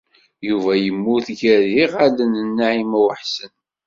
Yuba yemmut gar yiɣallen n Naɛima u Ḥsen.